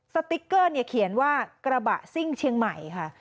สติ๊กเกอร์เนี่ยเขียนว่ากระบะซิ่งเชียงใหม่ค่ะ